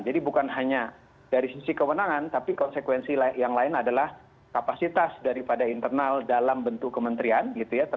jadi bukan hanya dari sisi kewenangan tapi konsekuensi yang lain adalah kapasitas daripada internal dalam bentuk kementerian gitu ya